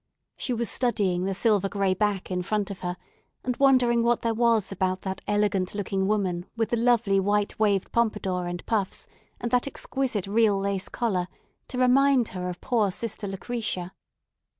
She was studying the silver gray silk back in front of her and wondering what there was about that elegant looking woman with the lovely white waved pompadour and puffs, and that exquisite real lace collar, to remind her of poor sister Lucretia.